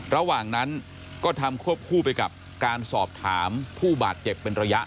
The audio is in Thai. ระหว่างนั้นก็ทำควบคู่ไปกับการสอบถามผู้บาดเจ็บเป็นระยะ